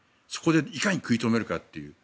いかに食い止めるかという。